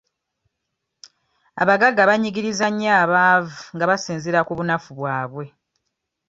Abagagga banyigiriza nnyo abaavu nga basinziira ku bunafu bwabwe.